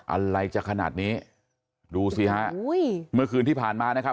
อะไรจะขนาดนี้ดูสิฮะอุ้ยเมื่อคืนที่ผ่านมานะครับ